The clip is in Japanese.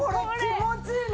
気持ちいいね！